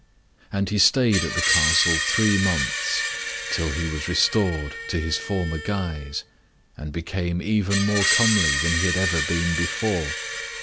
And he stayed at the castle three months, till he was restored to his former guise, and became even more comely than he had ever been before.